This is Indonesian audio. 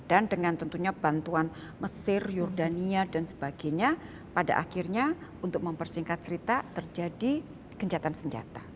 dan dengan tentunya bantuan mesir yordania dan sebagainya pada akhirnya untuk mempersingkat cerita terjadi kencatan senjata